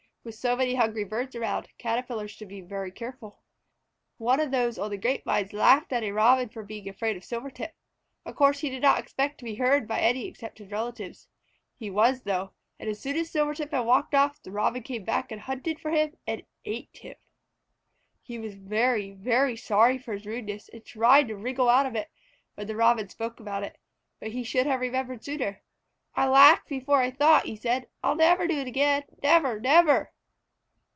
With so many hungry birds around, Caterpillars should be very careful. One of those on the grape vines laughed at a Robin for being afraid of Silvertip. Of course he did not expect to be heard by any except his relatives. He was, though, and as soon as Silvertip had walked off, the Robin came back and hunted for him and ate him. He was very, very sorry for his rudeness, and tried to wriggle out of it, when the Robin spoke about it, but he should have remembered sooner. "I laughed before I thought," he said. "I'll never do it again. Never! Never!"